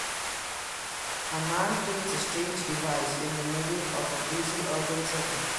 A man cleans a strange device in the middle of a busy urban setting